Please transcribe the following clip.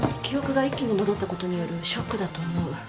記憶が一気に戻ったことによるショックだと思う。